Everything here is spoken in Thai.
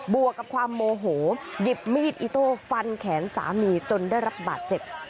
วกกับความโมโหหยิบมีดอิโต้ฟันแขนสามีจนได้รับบาดเจ็บ